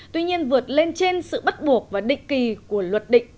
tuy nhiên vượt lên trên sự bắt buộc và định kỳ của luật định